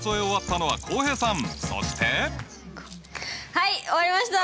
はい終わりました！